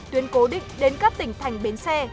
tuyến cố định đến các tỉnh thành bến xe